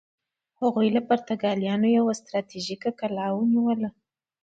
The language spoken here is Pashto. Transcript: هغوی له پرتګالیانو یوه ستراتیژیکه کلا ونیوله.